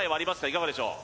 いかがでしょう？